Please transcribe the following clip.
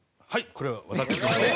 これは私の。